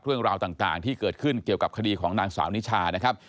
เรื่องราวต่างที่เกิดขึ้นเกี่ยวกับคดีของนางสาวนิชานะครับ